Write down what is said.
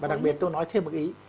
và đặc biệt tôi nói thêm một ý